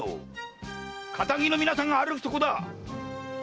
堅気の皆さんが歩くところだ！